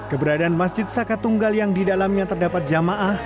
keberadaan masjid saka tunggal yang didalamnya terdapat jamaah